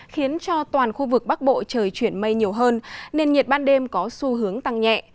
khiến cho toàn khu vực bắc bộ trời chuyển mây nhiều hơn nên nhiệt ban đêm có xu hướng tăng nhẹ